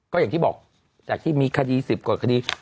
ก็อย่างที่บอกจากที่มีคดี๑๐กว่าคดี